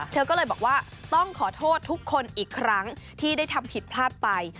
เธอก็เลยบอกว่าต้องขอโทษทุกคนอีกครั้งที่ได้ทำผิดพลาดไป